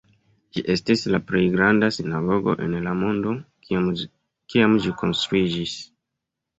Ĝi estis la plej granda sinagogo en la mondo, kiam ĝi konstruiĝis.